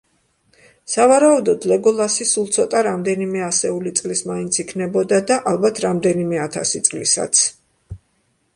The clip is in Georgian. სავარაუდოდ, ლეგოლასი სულ ცოტა, რამდენიმე ასეული წლის მაინც იქნებოდა და ალბათ რამდენიმე ათასი წლისაც.